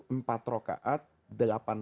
empat rokaat delapan